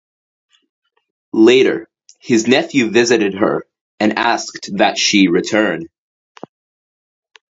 Later his nephew visited her and asked that she return.